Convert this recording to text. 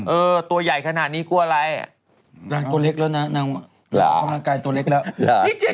เออตัวใหญ่ขนาดนี้กลัวอะไร